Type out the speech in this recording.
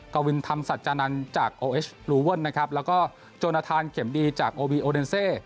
กวินธรรมสัจจานันทร์จากโอเอชลูเวิลนะครับแล้วก็จนทานเข็มดีจากโอบีโอเดนเซ